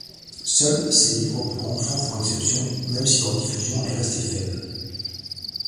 Seuls, ses livres pour enfants font exception, même si leur diffusion est restée faible.